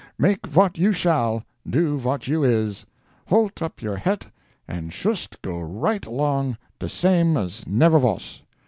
Make vot you shall—do vot you is—holt up your het, and shust go right along de same as never vos.